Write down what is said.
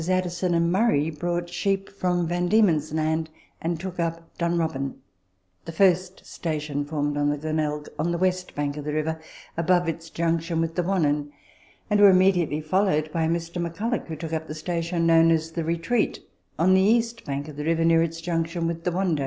Addison and Murray brought sheep from Van Dieraen's Land, and took up " Dunrobin " (the first station formed on the Glenelg), on the west bank of the river, above its junction with the Wannon, and were immediately fol lowed by Mr. McCulloch, who took up the station known as the Retreat, on the east bank of the river, near its junction with the Wando.